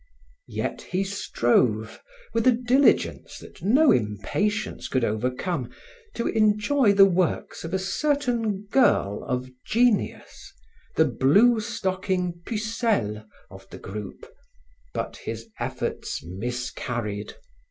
Yet he strove, with a diligence that no impatience could overcome, to enjoy the works of a certain girl of genius, the blue stocking pucelle of the group, but his efforts miscarried.